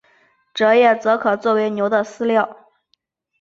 蔗叶则可做为牛的饲料。